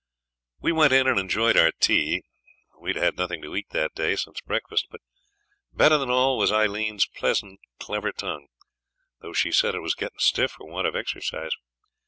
We went in and enjoyed our tea. We had had nothing to eat that day since breakfast; but better than all was Aileen's pleasant, clever tongue, though she said it was getting stiff for want of exercise.